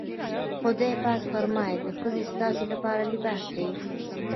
خدای پاک فرمايي چې ښځې ستاسې لپاره لباس دي.